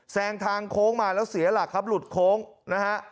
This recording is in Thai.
แซงทางโค้งมาแล้วเสียหลักครับหลุดโค้งนะฮะ